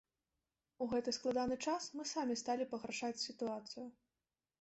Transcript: У гэты складаны час мы самі сталі пагаршаць сітуацыю.